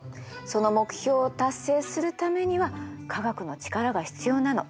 その目標を達成するためには科学の力が必要なの。